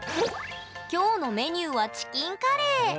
今日のメニューはチキンカレー。